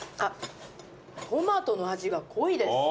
トマトの味が濃いです。